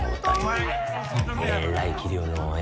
えらい器量のええ